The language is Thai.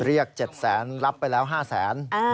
เรียก๗แสนรับไปแล้ว๕แสน